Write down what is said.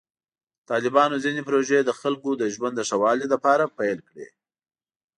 طالبانو ځینې پروژې د خلکو د ژوند د ښه والي لپاره پیل کړې.